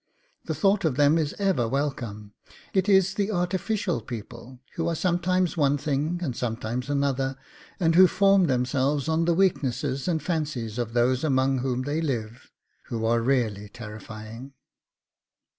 The thought of them is ever welcome; it is the artificial people who are sometimes one thing, sometimes another, and who form themselves on the weaknesses and fancies of those among whom they live, who are really terrifying.